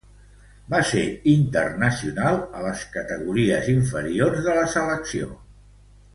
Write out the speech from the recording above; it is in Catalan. Va ser internacional a les categories inferiors de la selecció espanyola.